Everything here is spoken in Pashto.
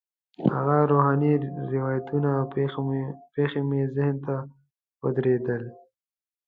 هغه روحاني روایتونه او پېښې مې ذهن ته ودرېدل.